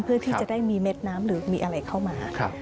เพื่อที่จะได้มีเม็ดน้ำหรือมีอะไรเข้ามา